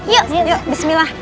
yuk yuk bismillah